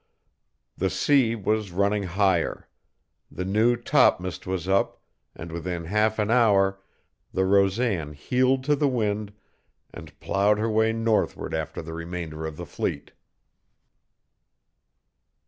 The sea was running higher. The new topmast was up, and within half an hour the Rosan heeled to the wind and plowed her way northward after the remainder of the fleet.